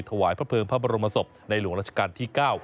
ถวายพระเภิงพระบรมศพในหลวงราชการที่๙